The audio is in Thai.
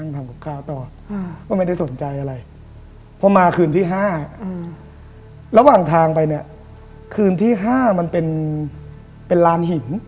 ผมเอานั่งทำครอบคราวต่อ